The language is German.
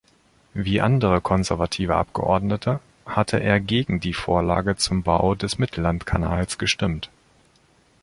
Wie andere Konservative Abgeordnete hatte er gegen die Vorlage zum Bau des Mittellandkanals gestimmt.